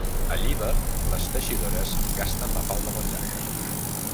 A Llíber les teixidores gasten la falda molt llarga.